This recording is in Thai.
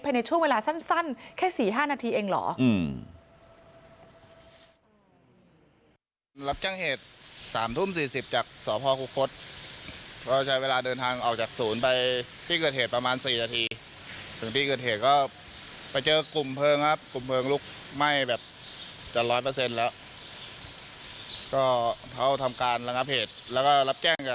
ภายในช่วงเวลาสั้นแค่สี่ห้านาทีเองเหรอ